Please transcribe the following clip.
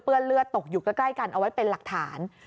เลือดตกอยู่ใกล้กันเอาไว้เป็นหลักฐาน